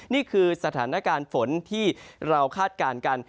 นี่คือสถานการณ์ฝนที่เราคาดการณ์กัน